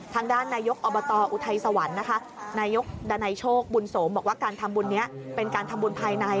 ทางด้านนายกอบตอุทัยสวรรค์นะคะนายกดันัยโชคบุญสมบอกว่าการทำบุญนี้เป็นการทำบุญภายใน